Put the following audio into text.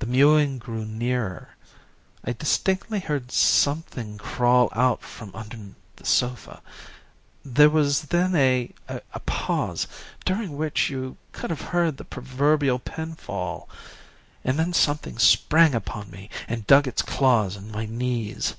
The mewing grew nearer. I distinctly heard something crawl out from under the sofa; there was then a pause, during which you could have heard the proverbial pin fall, and then something sprang upon me and dug its claws in my knees.